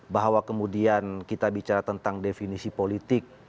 bahwa kemudian kita bicara tentang definisi politik